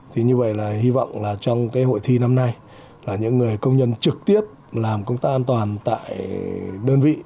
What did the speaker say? thì như vậy là hy vọng là trong cái hội thi năm nay là những người công nhân trực tiếp làm công tác an toàn tại đơn vị